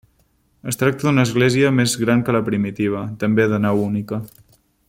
Es tracta d'una església més gran que la primitiva, també de nau única.